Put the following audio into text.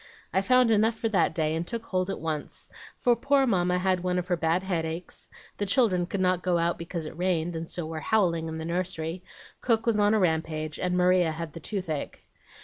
I found enough for that day, and took hold at once; for poor Mamma had one of her bad headaches, the children could not go out because it rained, and so were howling in the nursery, cook was on a rampage, and Maria had the toothache.